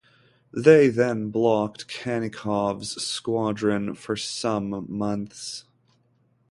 They then blockaded Khanykov's squadron for some months.